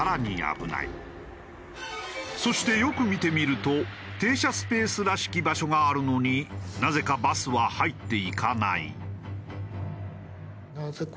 そしてよく見てみると停車スペースらしき場所があるのになぜかバスは入っていかない。